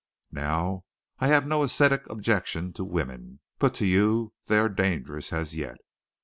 Now I have no ascetic objections to women, but to you they are dangerous, as yet.